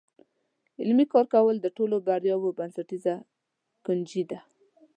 عملي کار کول د ټولو بریاوو بنسټیزه کنجي ده.